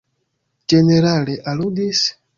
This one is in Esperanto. Ĝenerale, aludis?